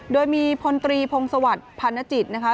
โดยมีพลตรีพงศวรรค์พันธจิตนะคะ